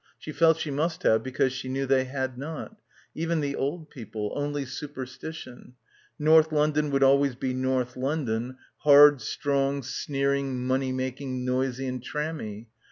She felt she must have because she knew they had not; even the old people; only superstition ... North London would always be North London, hard, strong, sneering, money making, noisy and trammy.